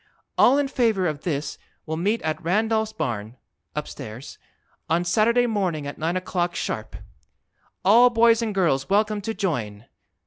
All in Favor of this will Meet at Randolph's Barn (upstairs) on Saturday Morning at 9 o'clock Sharp. ALL BOYS AND GIRLS WELCOME TO JOIN!